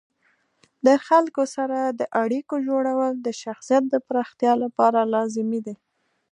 د خلکو سره د اړیکو جوړول د شخصیت د پراختیا لپاره لازمي دي.